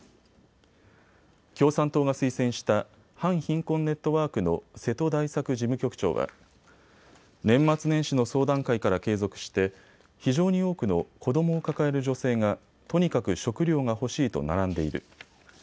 共産党が推薦した反貧困ネットワークの瀬戸大作事務局長は年末年始の相談会から継続して非常に多くの子どもを抱える女性がとにかく食糧が欲しいと並んでいる。